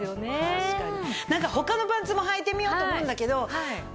確かに。